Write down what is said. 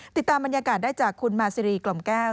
ติดตามบรรยากาศได้จากคุณมาซีรีกล่อมแก้ว